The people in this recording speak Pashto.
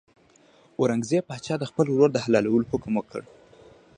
اورنګزېب پاچا د خپل ورور د حلالولو حکم وکړ.